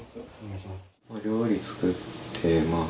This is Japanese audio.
料理作ってまあ